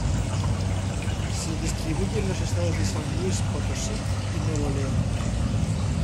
Se distribuye en los estados de San Luis Potosí y Nuevo León.